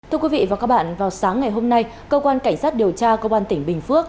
thưa quý vị và các bạn vào sáng ngày hôm nay cơ quan cảnh sát điều tra công an tỉnh bình phước